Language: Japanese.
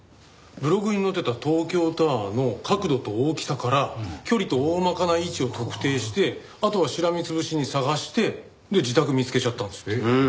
ブログに載ってた東京タワーの角度と大きさから距離とおおまかな位置を特定してあとはしらみつぶしに捜してで自宅見つけちゃったんですって。